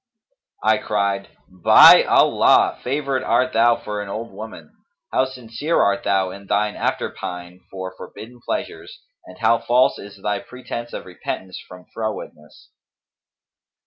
I cried, 'By Allah, favoured art thou for an old woman! How sincere art thou in thine after pine for forbidden pleasures and how false is thy pretence of repentance from frowardness!'"